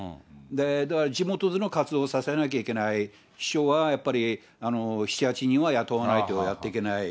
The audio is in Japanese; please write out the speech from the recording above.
だから地元での活動を支えなきゃいけない、秘書は７、８人は雇わないとやっていけない。